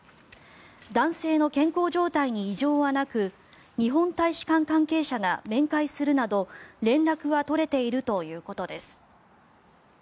男性の健康状態に異常はなく日本大使館関係者が面会するなど連絡は取れているということです。